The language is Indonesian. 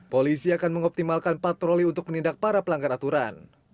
polisi akan mengoptimalkan patroli untuk menindak para pelanggar aturan